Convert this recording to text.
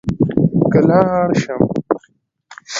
که لاړ شم.